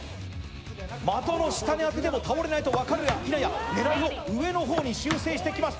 的の下を当てても倒れないと分かるやいなや狙いを上の方に修正してきました。